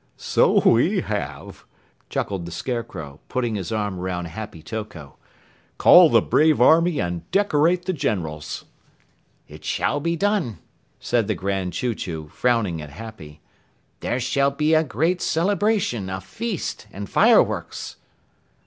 "So we have!" chuckled the Scarecrow, putting his arm around Happy Toko. "Call the brave army and decorate the generals!" "It shall be done," said the Grand Chew Chew, frowning at Happy. "There shall be a great celebration, a feast, and fireworks."